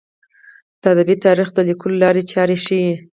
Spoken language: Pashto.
د ادبي تاریخ د لیکلو لارې چارې ښيي.